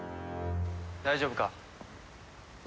大丈夫か？